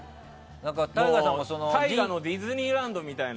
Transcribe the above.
ＴＡＩＧＡのディズニーランドみたいな。